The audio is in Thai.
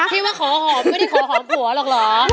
ที่ว่าขอหอมไม่ได้ขอหอมผัวหรอกเหรอ